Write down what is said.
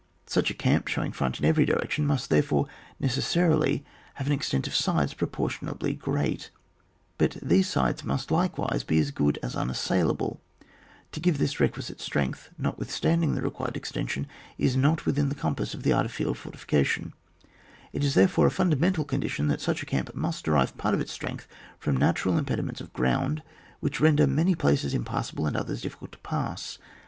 Such a camp, showing front in every direction, must therefore necessarily have an extent of sides pro portionably great ; but these sides must likewise be as good as unassailable ; to give this requisite strength, notwith standing the required, extension, is not within the compass of the art of field fortification; it is therefore a funda mental condition that such a camp must derive part of its strength firom natural impediments of ground which render many places impassable and others diffi cult to pass.